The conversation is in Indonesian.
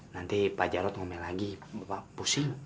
nanti pak jarod ngomong lagi bapak pusing